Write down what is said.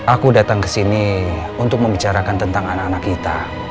aku datang ke sini untuk membicarakan tentang anak anak kita